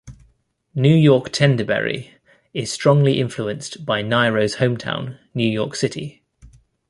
"New York Tendaberry" is strongly influenced by Nyro's hometown, New York City.